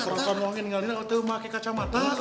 perasaan ngomongin gak ada yang pakai kacamata